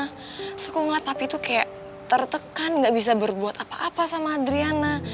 aku ngeliat api tuh kayak tertekan gak bisa berbuat apa apa sama adriana